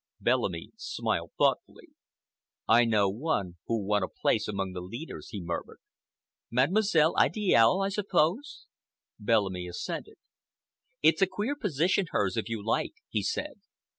Bellamy smiled thoughtfully. "I know one who'll want a place among the leaders," he murmured. "Mademoiselle Idiale, I suppose?" Bellamy assented. "It's a queer position hers, if you like," he said.